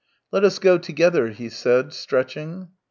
" Let us go together," he said, stretching.